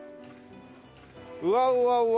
うわうわうわ